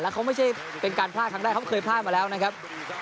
เขาไม่ใช่เป็นการพลาดครั้งแรกเขาเคยพลาดมาแล้วนะครับ